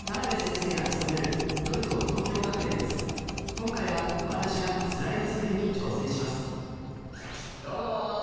今回は私がスライド作りに挑戦しますどうも。